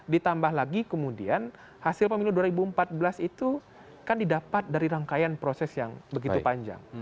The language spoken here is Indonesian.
ditambah lagi kemudian hasil pemilu dua ribu empat belas itu kan didapat dari rangkaian proses yang begitu panjang